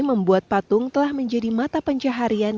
membuat patung telah menjadi mata pencaharian